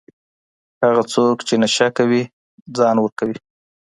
هغه څوک چې نشه کوي ځان ورکوي.